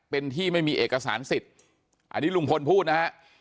เป็นที่ไม่มีเอกสารสิทธิ์อันนี้ลุงพลพูดนะฮะ